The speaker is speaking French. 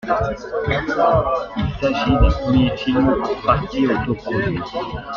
Il s'agit d'un premier film pour partie auto-produit.